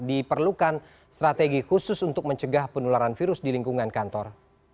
diperlukan strategi khusus untuk mencegah penularan virus di lingkungan kantor